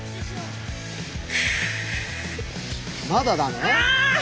まだだね？